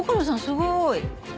すごーい！